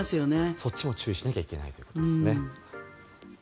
そっちも注意しなきゃいけないということですね。